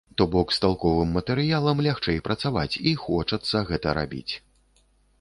То бок, з талковым матэрыялам лягчэй працаваць, і хочацца гэта рабіць.